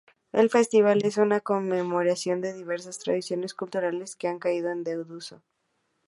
El festival es una conmemoración de diversas tradiciones culturales que han caído en desuso.